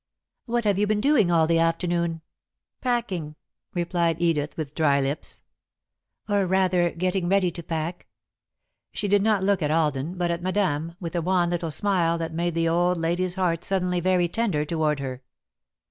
"What have you been doing all the afternoon?" "Packing," replied Edith, with dry lips. [Sidenote: Nothing to Say] "Or rather, getting ready to pack." She did not look at Alden, but at Madame, with a wan little smile that made the old lady's heart suddenly very tender toward her.